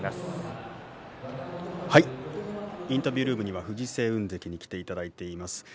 インタビュールームには藤青雲関に来ていただいています。